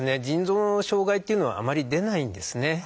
腎臓の障害というのはあまり出ないんですね。